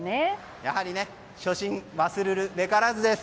やはり初心忘るべからずです。